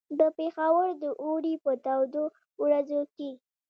د پېښور د اوړي په تودو ورځو کې.